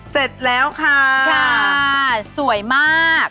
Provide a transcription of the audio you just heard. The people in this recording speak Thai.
เสร็จแล้วค่ะสวยมาก